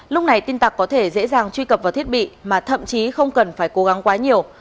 lúc này tin tặc có thể dễ dàng truy cập vào thiết bị mà thậm chí không cần phải cố gắng quá nhiều